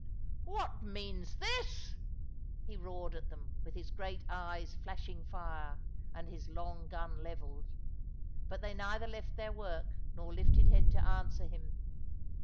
"What means this?" he roared at them, with his great eyes flashing fire, and his long gun levelled. But they neither left their work nor lifted head to answer him.